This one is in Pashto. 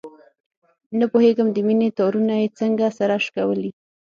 نه پوهېږم د مینې تارونه یې څنګه سره شکولي.